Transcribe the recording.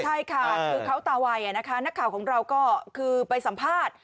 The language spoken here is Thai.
ใช่ค่ะคือเขาตาไวนะคะนักข่าวของเราก็คือไปสัมภาษณ์